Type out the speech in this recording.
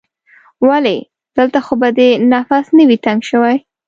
ولې؟ دلته خو به دې نفس نه وي تنګ شوی؟